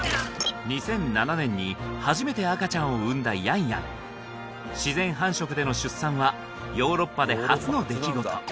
２００７年に初めて赤ちゃんを産んだヤンヤン自然繁殖での出産はヨーロッパで初の出来事